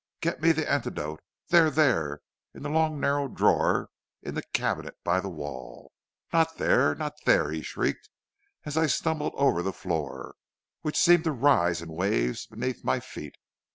Get me the antidote; there, there, in the long narrow drawer in the cabinet by the wall. Not there, not there!' he shrieked, as I stumbled over the floor, which seemed to rise in waves beneath my feet.